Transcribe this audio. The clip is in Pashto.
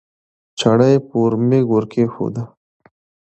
چړه یې په ورمېږ ورکېښوده